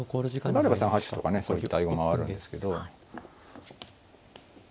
あれば３八歩とかねそういう対応もあるんですけど。